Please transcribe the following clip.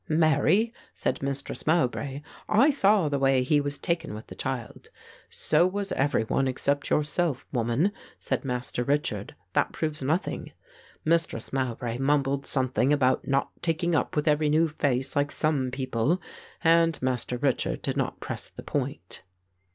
'Marry,' said Mistress Mowbray, 'I saw the way he was taken with the child.' 'So was every one except yourself, woman,' said Master Richard, 'that proves nothing.' Mistress Mowbray mumbled something about not taking up with every new face, like some people, and Master Richard did not press the point."